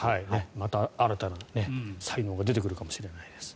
また新たな才能が出てくるかもしれないです。